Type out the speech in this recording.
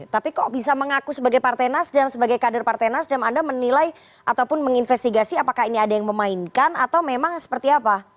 tapi kok bisa mengaku sebagai partai nasdem sebagai kader partai nasdem anda menilai ataupun menginvestigasi apakah ini ada yang memainkan atau memang seperti apa